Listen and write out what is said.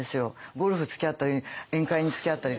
ゴルフつきあったり宴会につきあったりとか。